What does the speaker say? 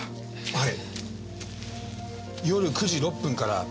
はい。